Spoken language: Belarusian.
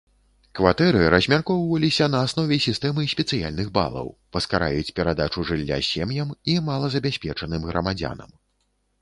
Кватэры размяркоўваліся на аснове сістэмы спецыяльных балаў, паскараюць перадачу жылля сем'ям і малазабяспечаным грамадзянам.